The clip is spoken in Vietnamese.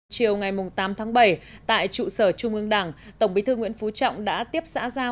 chiều ngày tám tháng bảy tại trụ sở trung ương đảng tổng bí thư nguyễn phú trọng đã tiếp xã giao